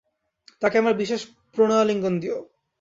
তাঁকে আমার বিশেষ প্রণয়ালিঙ্গন দিও।